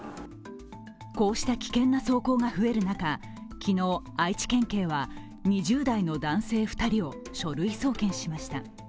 こうした危険な走行が増える中、昨日、愛知県警は２０代の男性２人を書類送検しました。